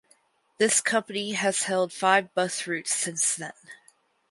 This company has held five bus routes since then.